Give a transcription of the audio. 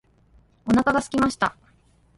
お腹が空きました。